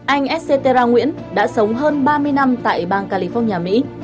anh esetera nguyễn đã sống hơn ba mươi năm